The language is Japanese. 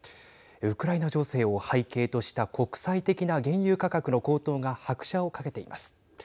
ウクライナ情勢を背景とした国際的な原油価格の高騰が拍車をかけています。